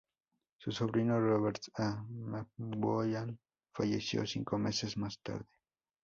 Su sobrino, Robert A. McGowan, falleció cinco meses más tarde.